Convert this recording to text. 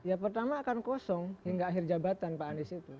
ya pertama akan kosong hingga akhir jabatan pak anies itu